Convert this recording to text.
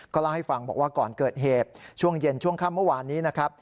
เล่าให้ฟังบอกว่าก่อนเกิดเหตุช่วงเย็นช่วงค่ำเมื่อวานนี้นะครับ